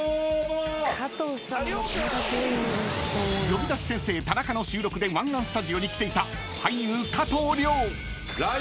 ［『呼び出し先生タナカ』の収録で湾岸スタジオに来ていた俳優］